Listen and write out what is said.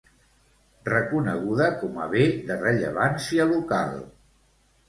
Reconeguda com a Bé de Rellevància Local.